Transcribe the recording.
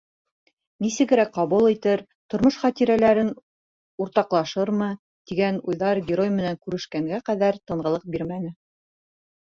Нисегерәк ҡабул итер, тормош хәтирәләрен уртаҡлашырмы, тигән уйҙар герой менән күрешкәнгә ҡәҙәр тынғылыҡ бирмәне.